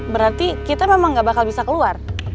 berarti kita memang gak bakal bisa keluar